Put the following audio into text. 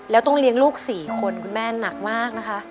แล้วต้องเลี้ยงลูก๔คนคุณแม่หนักมากนะคะ